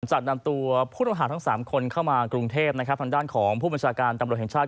จากนำตัวผู้ต้องหาทั้ง๓คนเข้ามากรุงเทพนะครับทางด้านของผู้บัญชาการตำรวจแห่งชาติ